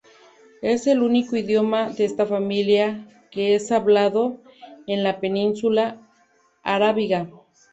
Es el único idioma de esta familia, que es hablado en la península arábiga.